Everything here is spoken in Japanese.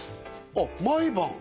あっ毎晩？